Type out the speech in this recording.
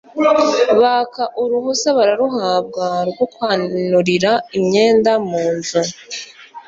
Baka uruhusa bararuhabwa Rwo kwanurira imyenda mu nzu